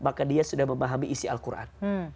maka dia sudah memahami isi al quran